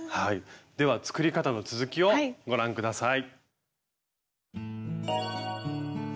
では作り方の続きをご覧下さい。